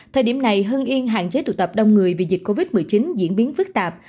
thời điểm này hưng yên hạn chế tụ tập đông người vì dịch covid một mươi chín diễn biến phức tạp